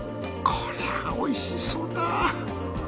こりゃおいしそうだ。